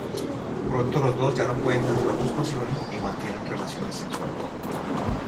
Pronto, los dos ya no pueden controlar sus pasiones y mantienen relaciones sexuales.